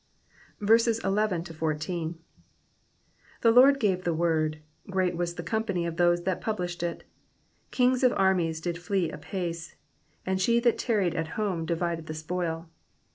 1 1 The Lord gave the word : great was the company of those that published it. 12 Kings of armies did flee apace : and she that tarried at home divided the spoil.